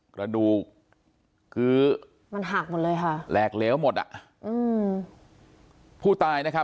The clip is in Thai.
กระดูกมันหักหมดเลยฮะแหลกเล๊วหมดอ่ะอือผู้ตายนะฮะ